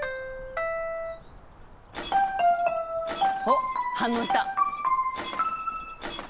おっ反応した！